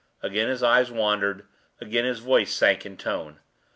Again his eyes wandered; again his voice sank in tone.